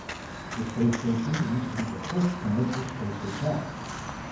The space station aims to be the first commercial space hotel.